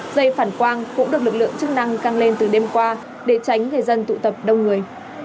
dây phản quang cũng được lực lượng chức năng căng lên từ đêm qua để tránh người dân tụ tập đông người